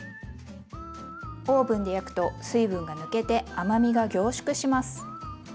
オーブンで焼くと水分が抜けて甘みが凝縮します。